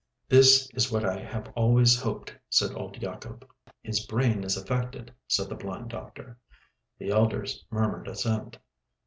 "This is what I have always hoped," said old Yacob. "His brain is affected," said the blind doctor. The elders murmured assent.